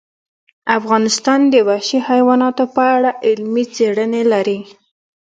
افغانستان د وحشي حیوانات په اړه علمي څېړنې لري.